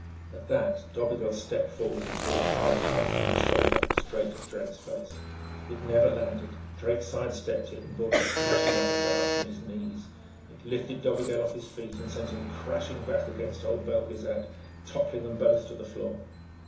At that, Dobigel stepped forward and threw a hard punch from his shoulder straight at Drake's face. It never landed. Drake side stepped it and brought a smashing uppercut up from his knees. It lifted Dobigel off his feet and sent him crashing back against old Belgezad, toppling them both to the floor.